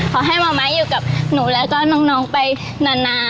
ขอให้แม่อยู่กับหนูและก็น้องไปนาน